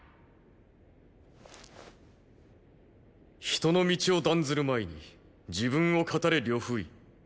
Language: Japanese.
人の道を断ずる前に自分を語れ呂不韋。